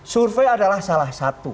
survei adalah salah satu